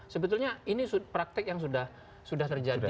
sebetulnya ini praktek yang sudah terjadi